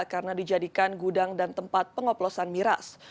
karena dijadikan gudang dan tempat pengoplosan miras